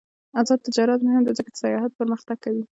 آزاد تجارت مهم دی ځکه چې سیاحت پرمختګ کوي.